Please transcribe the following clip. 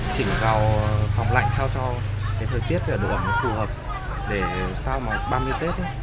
chỉnh vào phòng lạnh sao cho thời tiết và độ ẩm phù hợp để sau mà ba mươi tết